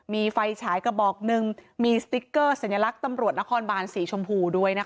มีไฟฉายกระบอกหนึ่งมีสติ๊กเกอร์สัญลักษณ์ตำรวจนครบานสีชมพูด้วยนะคะ